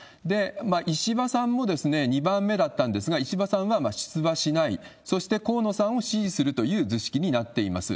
石破さんも２番目だったんですが、石破さんは出馬しない、そして河野さんを支持するという図式になっています。